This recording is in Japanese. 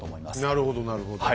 なるほどなるほど。